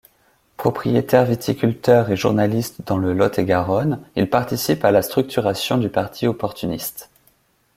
Propriétaire-viticulteur et journaliste dans le Lot-et-Garonne, il participe à la structuration du parti opportuniste.